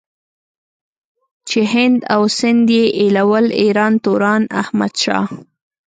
چې هند او سندھ ئې ايلول ايران توران احمد شاه